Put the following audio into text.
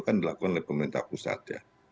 kan dilakukan oleh pemerintah pusat ya